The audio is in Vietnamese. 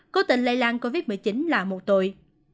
cố tình lây lan covid một mươi chín là một tội